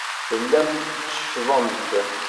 Tellamt tetteccḍemt.